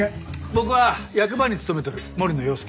僕は役場に勤めとる森野洋輔。